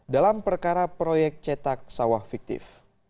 dalam perkara proyek cetak sawah fiktif